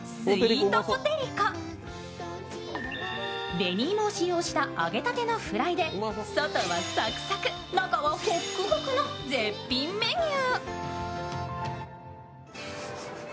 紅芋を使用した揚げたてのフライで外はサクサク、中はホクホクの絶品メニュー。